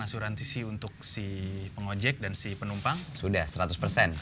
rasestina tisiul untuk seperti untuk encik penumpang first next already